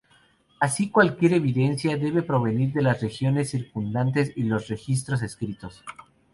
Así, cualquier evidencia debe provenir de las regiones circundantes y los registros escritos.